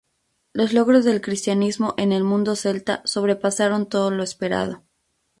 Los logros del cristianismo en el mundo celta sobrepasaron todo lo esperado.